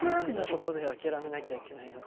こんなことで諦めなきゃいけないのか。